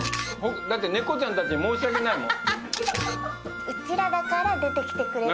だって猫ちゃんたちに申し訳ないもん。